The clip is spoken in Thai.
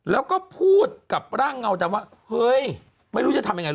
แล้วก็พูดกับร่างเงาดำว่าเฮ้ยไม่รู้จะทำยังไง